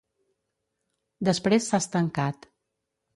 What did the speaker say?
Després s'ha estancat.